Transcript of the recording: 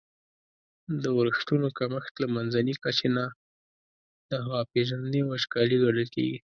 د اورښتونو کمښت له منځني کچي نه د هوا پیژندني وچکالي ګڼل کیږي.